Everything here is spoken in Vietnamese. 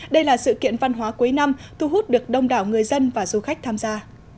đây là sự kiện văn hóa cuối năm thu hút được đông đảo người dân và du khách tham gia